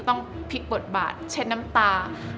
ต้องพลิกบทบาทเช่นน้ำตา